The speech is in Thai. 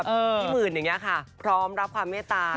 พี่หมื่นอย่างนี้ค่ะพร้อมรับความเมตตา